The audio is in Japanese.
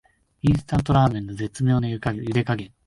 インスタントラーメンの絶妙なゆで加減